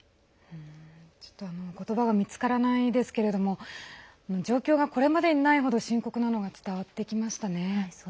言葉が見つからないですけど状況がこれまでにない程深刻なのが伝わってきましたね。